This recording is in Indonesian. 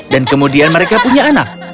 dan kemudian mereka punya anak